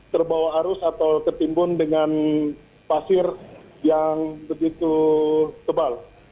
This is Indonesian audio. terbawa arus atau tertimbun dengan pasir yang begitu tebal